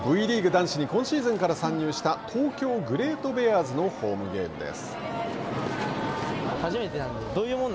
男子に今シーズンから参入した東京グレートベアーズのホームゲームです。